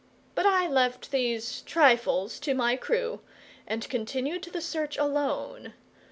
But I left these trifles to my crew, and continued the search alone.